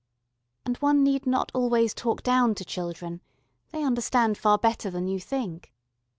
And one need not always "talk down" to children: they understand far better than you think.